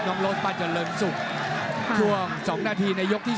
น้องโรสปลาจะเริ่มสุขช่วง๒นาทีในยกที่๔